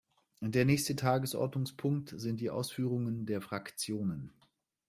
Der nächste Tagesordnungspunkt sind die Ausführungen der Fraktionen.